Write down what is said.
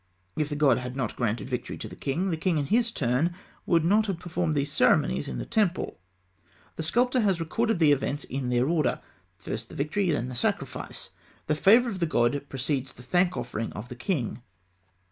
If the god had not granted victory to the king, the king in his turn would not have performed these ceremonies in the temple. The sculptor has recorded the events in their order: first the victory, then the sacrifice. The favour of the god precedes the thank offering of the king.